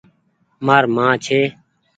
مآر مان ڇي۔